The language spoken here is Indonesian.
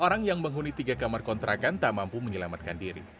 orang yang menghuni tiga kamar kontrakan tak mampu menyelamatkan diri